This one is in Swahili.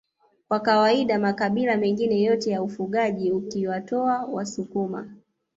Kwa kawaida makabila mengine yote ya wafugaji ukiwatoa wasukuma